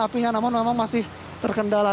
apinya memang masih terkendala